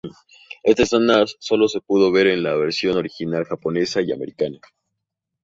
Esta escena sólo se pudo ver en la versión original japonesa y americana.